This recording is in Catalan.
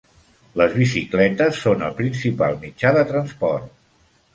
Les bicicletes són el principal mitjà de transport.